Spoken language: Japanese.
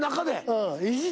うん。